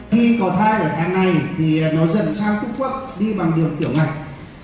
khi có thai ở hàng này thì nó dần sang phúc quốc đi bằng đường tiểu ngạch